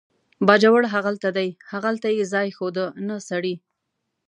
باجوړ هغلته دی، هغلته یې ځای ښوده، نه سړی.